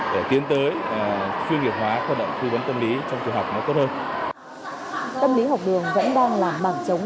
để tiến tới chuyên nghiệp hóa hoạt động tư vấn tâm lý trong trường học nó tốt hơn